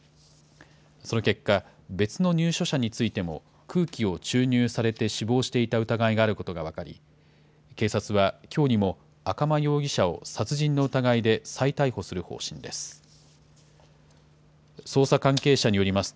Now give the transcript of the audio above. その結果、別の入所者についても空気を注入されて死亡していた疑いがあることが分かり、警察はきょうにも赤間容疑者を殺人の疑いで再逮捕する方針です。